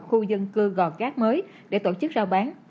khu dân cư gò cát mới để tổ chức giao bán